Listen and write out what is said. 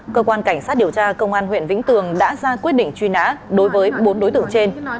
cơ quan cảnh sát điều tra công an huyện vĩnh tường đã ra quyết định truy nã đối với bốn đối tượng trên